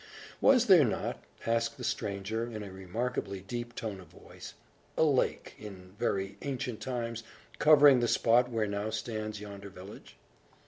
"Was there not," asked the stranger, in a remarkably deep tone of voice, "a lake, in very ancient times, covering the spot where now stands yonder village?"